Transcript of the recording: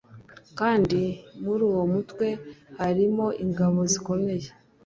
kandi muri uwo mutwe harimo ingabo zikomeye